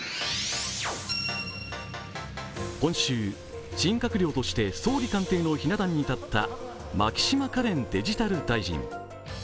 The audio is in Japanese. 今週、新閣僚として総理官邸のひな壇に立った牧島かれんデジタル大臣。